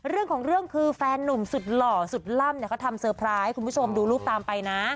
เรื่องของเรื่องคือแฟนนุ่มสุดหล่อสุดล่ำเขาทำเซอร์ไพรส์ให้คุณผู้ชมดูรูปตามไปนะ